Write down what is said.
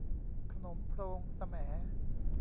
ขนมโพรงแสม